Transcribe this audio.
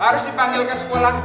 harus dipanggil ke sekolah